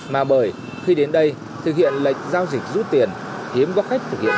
mà bởi khi đến đây thực hiện lệch giao dịch rút tiền hiếm có khách thực hiện